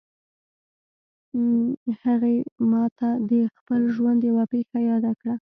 هغې ما ته د خپل ژوند یوه پېښه یاده کړه